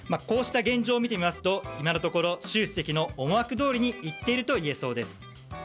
こうした現状を見てみますと今のところ習主席の思惑どおりにいっているといえそうです。